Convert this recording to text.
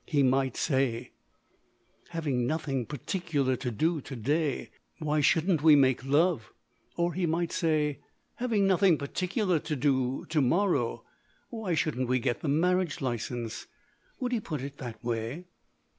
He might say, "Having nothing particular to do to day why shouldn't we make love?" Or he might say, "Having nothing particular to do to morrow why shouldn't we get the marriage license?" Would he put it in that way?